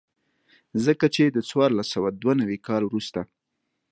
ځکه چې د څوارلس سوه دوه نوي کال وروسته.